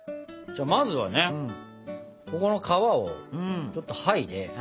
まずはねここの皮をちょっと剥いで。